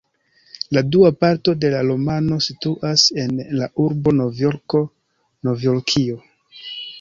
La dua parto de la romano situas en la urbo Novjorko, Novjorkio.